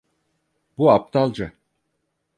Bu aptalca.